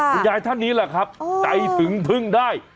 ท่านนี้แหละครับใจถึงพึ่งได้